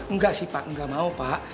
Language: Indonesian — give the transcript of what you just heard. enggak sih pak nggak mau pak